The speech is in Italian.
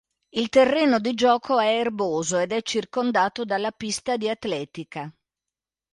Il terreno di gioco è erboso ed è circondato dalla pista di atletica.